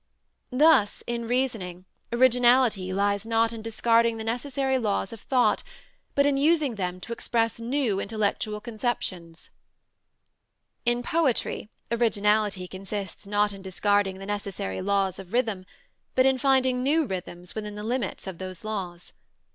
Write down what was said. Thus, in reasoning, originality lies not in discarding the necessary laws of thought, but in using them to express new intellectual conceptions; in poetry, originality consists not in discarding the necessary laws of rhythm, but in finding new rhythms within the limits of those laws.